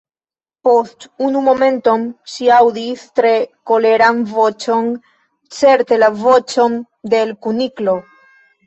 Post unu momenton ŝi aŭdis tre koleran voĉon, certe la voĉon de l' Kuniklo.